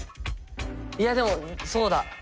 いやでもそうだ。